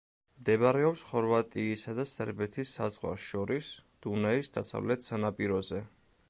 მდებარეობს ხორვატიისა და სერბეთის საზღვარს შორის, დუნაის დასავლეთ სანაპიროზე.